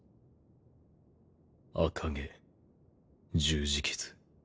赤毛十字傷。